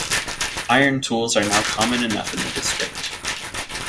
Iron tools are now common enough in the district.